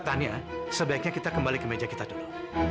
pertanyaannya sebaiknya kita kembali ke meja kita dulu